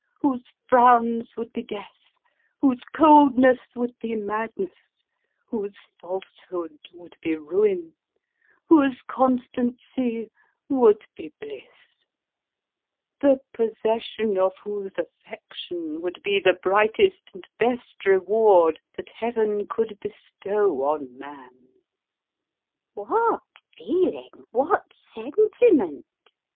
271 whoso frowns would be death, whose coldness would be madness, whose falsehood would be ruin, whose constancy would be bliss ; the possession of whose affection would be the brightest and best reward that Heaven could bestow on man ?"" What feeling ! what sentiment